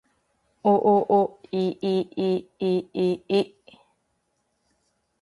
おおおいいいいいい